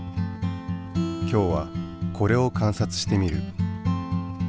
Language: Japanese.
今日はこれを観察してみる。